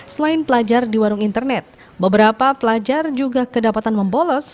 selain pelajar di warung internet beberapa pelajar juga kedapatan membolos